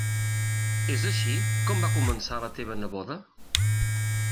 És així com va començar la teva neboda?